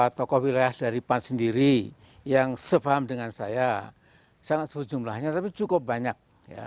tokoh wilayah dari pan sendiri yang sefaham dengan saya sangat jumlahnya tapi cukup banyak